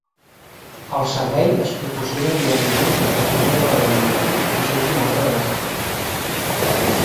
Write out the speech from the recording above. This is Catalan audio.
El servei es proporciona diàriament des de primera hora del matí fins última hora de la tarda.